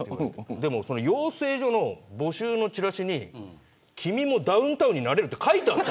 でも、養成所の募集のチラシに君もダウンタウンになれるって書いてあった。